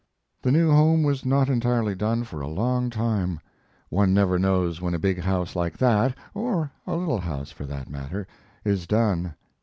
The new home was not entirely done for a long time. One never knows when a big house like that or a little house, for that matters done.